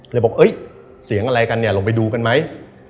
เลยบอกเฮ้ยเสียงอะไรกันเนี่ยเราไปดูกันไหม